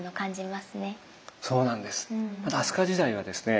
まだ飛鳥時代はですね